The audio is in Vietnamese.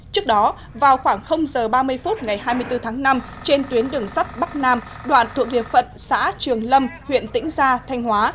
trước đó vào khoảng h ba mươi phút ngày hai mươi bốn tháng năm trên tuyến đường sắt bắc nam đoạn thuộc địa phận xã trường lâm huyện tĩnh gia thanh hóa